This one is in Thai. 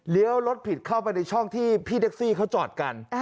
รถผิดเข้าไปในช่องที่พี่แท็กซี่เขาจอดกัน